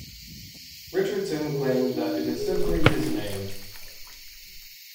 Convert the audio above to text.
Richardson claimed that it is simply his name.